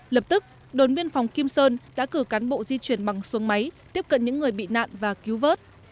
lập tức đồn biên phòng kim sơn đã cử cán bộ di chuyển bằng xuống máy tiếp cận những người bị nạn và cứu vớt